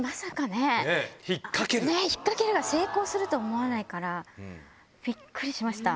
ねえ、引っ掛けるが成功するとは思わないから、びっくりしました。